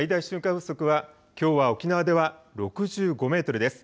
風速はきょうは沖縄では６５メートルです。